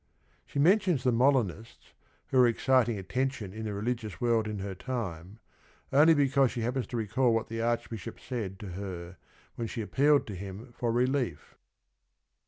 She men tions the Molinists, who were exciting attention in the religious world in her time, only because she happens to recall what the Archbishop said to her when she appealed to him for relief.